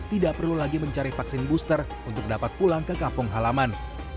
tidak perlu lagi mencari vaksin booster untuk dapat pulang ke kampung halaman